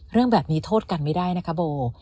เรื่องแบบนี้โทษกันไม่ได้นะคะโบ